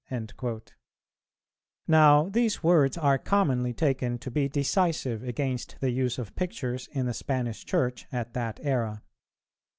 "[410:2] Now these words are commonly taken to be decisive against the use of pictures in the Spanish Church at that era.